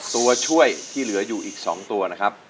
ตัวช่วยที่เหลืออยู่อีก๒ตัวนะครับ